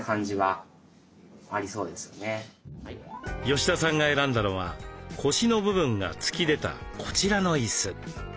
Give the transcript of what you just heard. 吉田さんが選んだのは腰の部分が突き出たこちらの椅子。